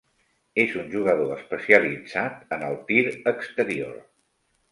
És un jugador especialitzat en el tir exterior.